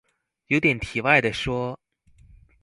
有點題外的說